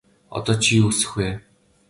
Одоо чи юу хүсэх вэ?